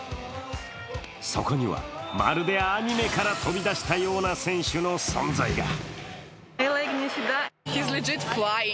そこには、まるでアニメから飛び出したような選手の存在が。